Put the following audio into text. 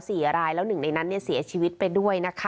เสียรายแล้วหนึ่งในนั้นเสียชีวิตไปด้วย